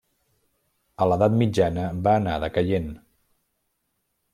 A l'edat mitjana va anar decaient.